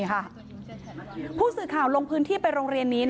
เชิงชู้สาวกับผอโรงเรียนคนนี้